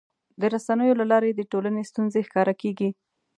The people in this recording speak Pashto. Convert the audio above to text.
د رسنیو له لارې د ټولنې ستونزې ښکاره کېږي.